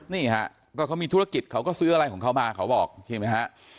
นี่ฮะก็เขามีธุรกิจเขาก็ซื้ออะไรของเขามาเขาบอกใช่ไหมฮะ